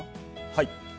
はい。